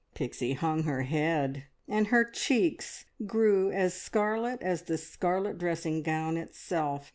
Pixie hung her head, and her cheeks grew am scarlet as the scarlet dressing gown itself.